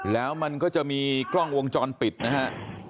แล้วมันก็จะมีกล้องวงจรปิดนะฮะ